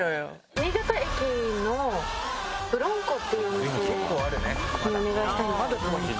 新潟駅のブロンコっていうお店にお願いしたいんですけど。